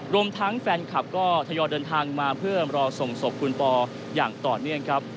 รวมทั้งแฟนคลับก็ทยอยเดินทางมาเพื่อรอส่งศพคุณปออย่างต่อเนื่องครับ